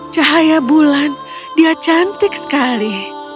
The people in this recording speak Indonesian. cahaya bulan dia cantik sekali